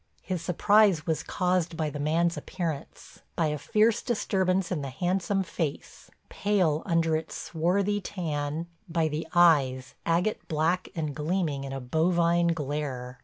His surprise was caused by the man's appearance, by a fierce disturbance in the handsome face, pale under its swarthy tan, by the eyes, agate black and gleaming in a bovine glare.